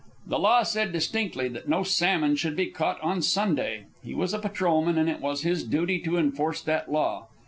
The law said distinctly that no salmon should be caught on Sunday. He was a patrolman, and it was his duty to enforce that law.